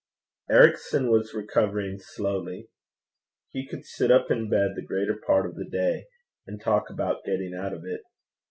Ericson was recovering slowly. He could sit up in bed the greater part of the day, and talk about getting out of it.